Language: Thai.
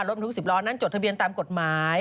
รถบรรทุก๑๐ล้อนั้นจดทะเบียนตามกฎหมาย